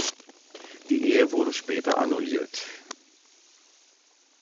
Die Ehe wurde später annulliert.